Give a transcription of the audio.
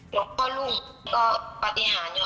หลวงพ่อลูกก็ปฏิหารอยู่